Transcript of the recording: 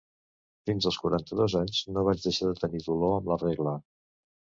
Fins als quaranta-dos anys no vaig deixar de tenir dolor amb la regla.